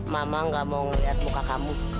mama gak mau ngeliat muka kamu